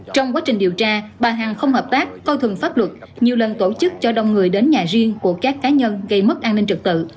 trong quá trình điều tra bà hằng không hợp tác coi thường pháp luật nhiều lần tổ chức cho đông người đến nhà riêng của các cá nhân gây mất an ninh trực tự